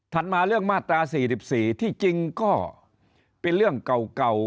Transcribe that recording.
ถัดมาเรื่องมาตรา๔๔